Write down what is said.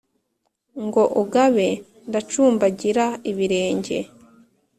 Ngo ugabe, ndacumbagira ibirenge.